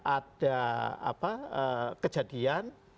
ada apa kejadian